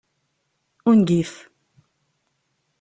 Ungif!